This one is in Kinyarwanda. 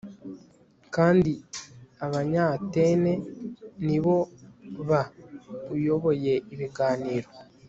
kandi abanyatene nibo bauyoboye ibiganiro